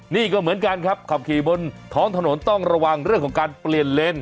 นี่ก็เหมือนกันครับขับขี่บนท้องถนนต้องระวังเรื่องของการเปลี่ยนเลน